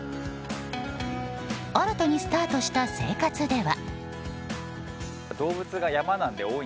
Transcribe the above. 新たにスタートした生活では。